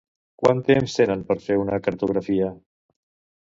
Quant temps tenen per fer una cartografia?